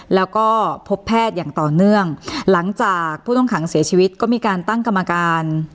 แล้วก็พบแพทย์อย่างต่อเนื่องหลังจากผู้ต้องขังเสียชีวิตก็มีการตั้งกรรมการ